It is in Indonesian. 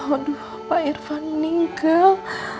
aduh pak irfan meninggal